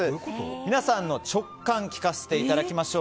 皆さんの直感聞かせていただきましょう。